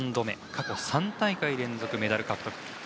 過去３大会連続メダル獲得。